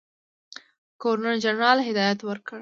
ګورنرجنرال هدایت ورکړ.